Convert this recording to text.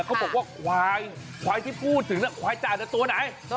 เขาบอกว่าควายควายที่พูดถึงควายจ่านตัวไหน